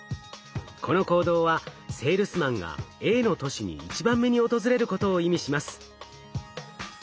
この行動はセールスマンがＡの都市に１番目に訪れることを意味します。